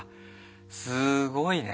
すごいね。